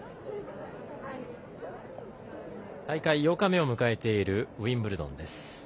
大会８日目を迎えているウィンブルドンです。